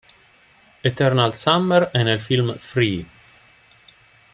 Eternal Summer" e nel film "Free!